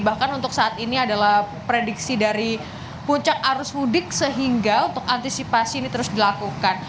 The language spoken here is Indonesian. bahkan untuk saat ini adalah prediksi dari puncak arus mudik sehingga untuk antisipasi ini terus dilakukan